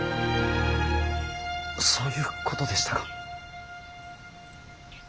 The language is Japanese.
そういうことでしたか。